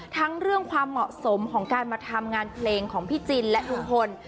ทั้งเรื่องความเหมาะสมของการมาทำงานเพลงของพี่จินและลุงพล